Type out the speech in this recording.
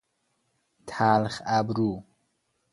تلخ ابرو